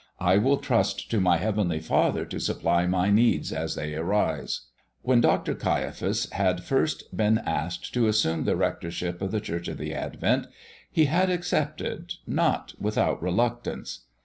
I will trust to my Heavenly Father to supply my needs as they arise." When Dr. Caiaphas had first been asked to assume the rectorship of the Church of the Advent, he had accepted, not without reluctance.